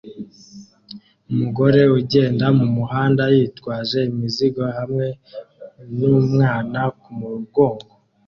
Umugore ugenda mumuhanda yitwaje imizigo hamwe numwana kumugongo